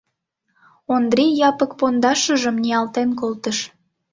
Ондри Япык пондашыжым ниялтен колтыш.